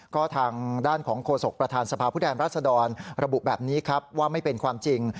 ก็ทางด้านของโฆษกประธานสภาพผู้แทนรัศดรระบุแบบนี้ครับว่าไม่เป็นความจริง